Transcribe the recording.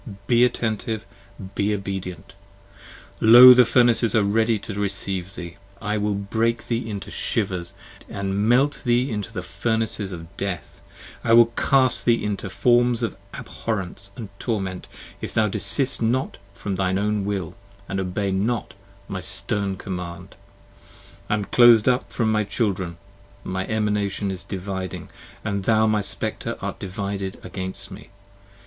Be attentive! be obedient! Lo the Furnaces are ready to recieve thee. 10 I will break thee into shivers, & melt thee in the furnaces of death, I will cast thee into forms of abhorrence & torment if thou Desist not from thine own will, & obey not my stern command : I am clos'd up from my children: my Emanation is dividing And thou my Spectre art divided against me.